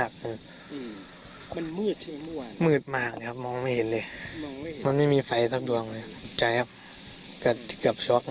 เกือบเชิก